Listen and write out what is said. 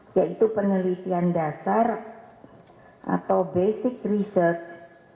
yaitu penelitian dasar atau basic research